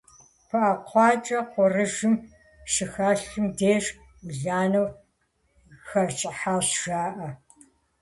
Пыӏэ кхъуакӏэр кӏурыжэм щыхэлъым деж ӏуланэу хэщӏыхьащ жаӏэ.